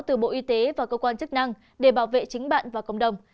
từ bộ y tế và cơ quan chức năng để bảo vệ chính bạn và cộng đồng